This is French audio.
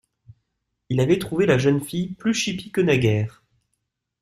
Il avait trouvé la jeune fille plus chipie que naguère.